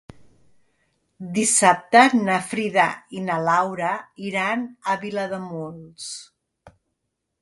Dissabte na Frida i na Laura iran a Vilademuls.